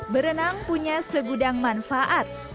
berenang punya segudang manfaat